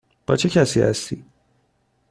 با چه کسی هستی؟